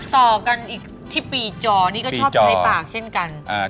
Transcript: ต่อกันอีกที่ปีจอนี่ก็ชอบใช้ปากเช่นกัน